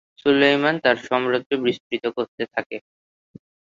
সুলেইমান তার সাম্রাজ্য বিস্তৃত করতে থাকে।